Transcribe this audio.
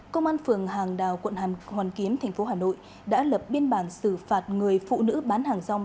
công an phường hàng đào quận hoàn kiếm thành phố hà nội đã lập biên bản xử phạt người phụ nữ bán hàng rong